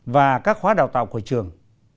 và các khóa đào tạo của trường